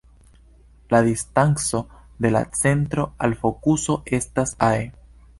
La distanco de la centro al fokuso estas "ae".